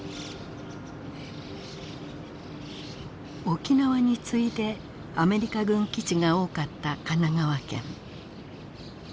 沖縄に次いでアメリカ軍基地が多かった神奈川県。